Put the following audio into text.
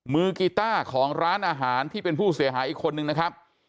กีต้าของร้านอาหารที่เป็นผู้เสียหายอีกคนนึงนะครับ